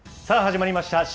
さあ、始まりました。